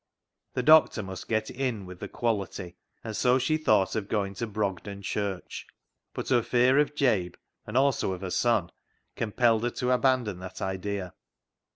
The doctor must get " in " with the " quality," and so she thought of going to Brogden Church ; but her fear of Jabe and also of her son compelled her to abandon that idea.